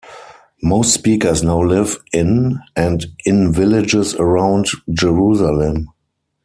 Most speakers now live in and in villages around Jerusalem.